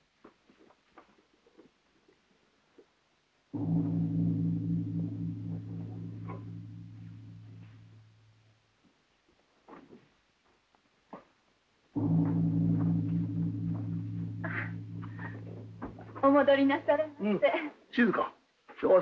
お戻りなされませ。